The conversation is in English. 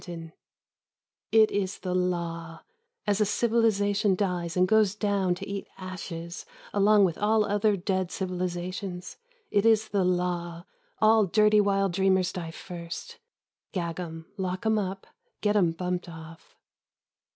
38 At the Gates of Tombs It is the law; as a civilization dies and goes down to eat ashes along with all other dead civilizations — it is the law all dirty wild dreamers die first — gag 'em, lock 'em up, get 'em bumped off.